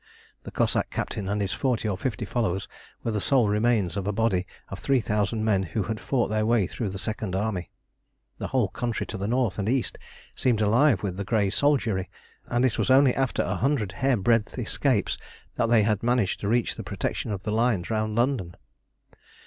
The Cossack captain and his forty or fifty followers were the sole remains of a body of three thousand men who had fought their way through the second army. The whole country to the north and east seemed alive with the grey soldiery, and it was only after a hundred hair breadth escapes that they had managed to reach the protection of the lines round London.